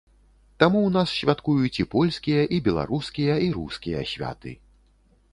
Таму ў нас святкуюць і польскія, і беларускія, і рускія святы.